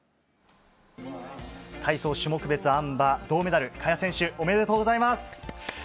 体操種目別あん馬、銅メダル、萱選手おめでとうございます。